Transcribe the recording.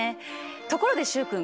ところで習君